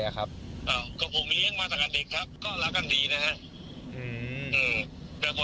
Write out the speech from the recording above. อะครับอ่าก็ผมมีเรื่องมาตากันเด็กครับก็รักกันดีนะฮะอืมอืม